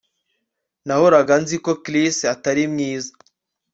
Nahoraga nzi ko Chris atari mwiza